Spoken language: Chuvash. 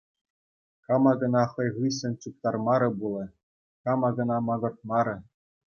Кама кӑна хӑй хыҫҫӑн чуптармарӗ пулӗ, кама кӑна макӑртмарӗ.